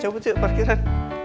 coba cik parkiran